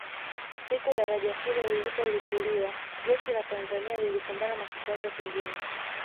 Siku daraja hilo lilipolipuliwa jeshi la Tanzania lilikumbana na kikwazo kingine